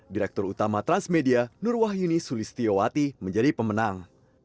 direktur utama transmedia nurwahyuni sulistiyowati menjadi pemenang